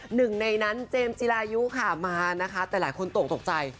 หนึ่งในนั้นเจมส์จิรายุค่ะมานะคะแต่หลายคนตกตกใจ